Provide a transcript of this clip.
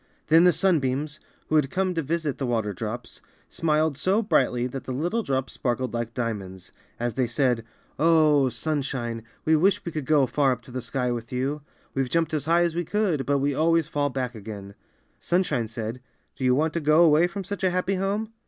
Then the Sunbeams, who had come to visit the water drops, smiled so brightly that all the little drops sparkled like diamonds, as they said, "Oh! Sunshine, we wish we could go far up to the sky with you. WeVe jumped as high as we could, but we always fall back again.'' Sunshine said: "Do you want to go away from such a happy home?